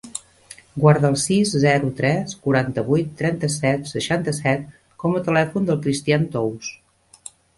Guarda el sis, zero, tres, quaranta-vuit, trenta-set, seixanta-set com a telèfon del Cristián Tous.